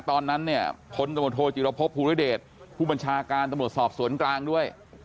ตอนนั้นเนี่ยพตธธภูริเดชผู้บัญชาการตำรวจสอบสวนกลางด้วย